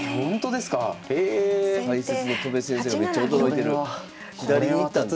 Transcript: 解説の戸辺先生がめっちゃ驚いてる。